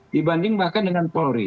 dibanding bahkan dengan polri